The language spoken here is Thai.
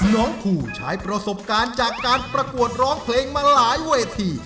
น้องครูใช้ประสบการณ์จากการประกวดร้องเพลงมาหลายเวที